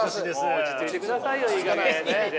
落ち着いてくださいよいいかげん先生。